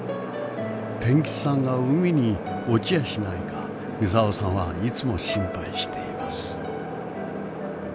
天吉さんが海に落ちやしないか操さんはいつも心配しています。